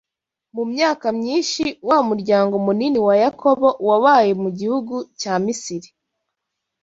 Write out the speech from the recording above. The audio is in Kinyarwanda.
Mu myaka myinshi wa muryango munini wa Yakobo wabaye mu gihugu cya Misiri